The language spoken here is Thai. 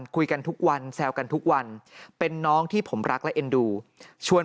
คุยกันทุกวันแซวกันทุกวันเป็นน้องที่ผมรักและเอ็นดูชวน